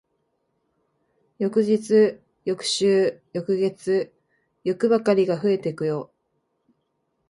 翌日、翌週、翌月、欲ばかりが増えてくよ。